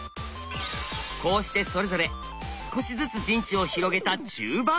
こうしてそれぞれ少しずつ陣地を広げた中盤。